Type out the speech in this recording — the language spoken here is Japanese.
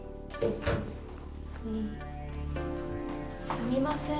すみません